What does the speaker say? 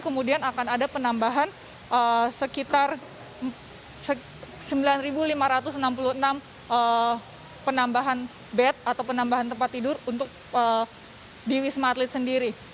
kemudian akan ada penambahan sekitar sembilan lima ratus enam puluh enam penambahan bed atau penambahan tempat tidur untuk di wisma atlet sendiri